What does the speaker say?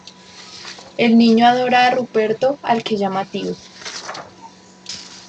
El niño adora a Ruperto al que llama tío.